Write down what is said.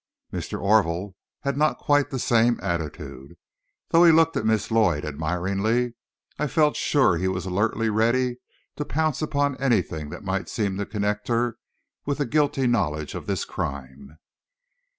Mr. Orville had not quite the same attitude. Though he looked at Miss Lloyd admiringly, I felt sure he was alertly ready to pounce upon anything that might seem to connect her with a guilty knowledge of this crime.